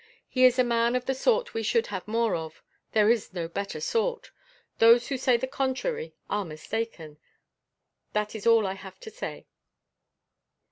He is a man of the sort we should have more of; there is no better sort. Those who say the contrary are mistaken. That is all I have to say."